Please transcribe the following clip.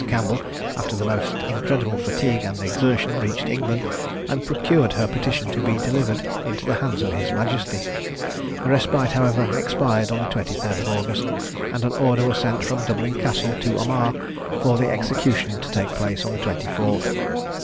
Campbell, after the most incredible fatigue and exertion, reached England, and procured her petition to be delivered into the hands of his majesty. The respite, however, expired on the 23rd of August, and an order was sent from Dublin Castle to Armagh, for the execution to take place on the 24th.